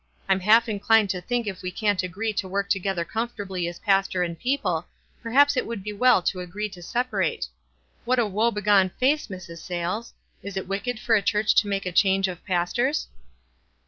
I'm half inclined to think if we can't agree to work together comfortably as pastor and people, perhaps it would be well to agree to separate. What a woe begone face, Mrs. Sayles ! Is it wicked for a church to make a change of pastors